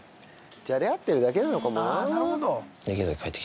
じゃれ合ってるだけなのかもな。